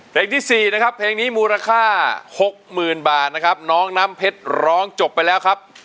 เพลงที่๔นะครับเพลงนี้มูลค่า๖๐๐๐บาทนะครับน้องน้ำเพชรร้องจบไปแล้วครับ